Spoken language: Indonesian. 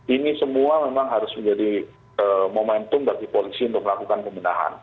ini semua memang harus menjadi momentum bagi polisi untuk melakukan pembinaan